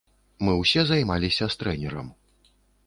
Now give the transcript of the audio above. Мы ўсе займаліся з трэнерам.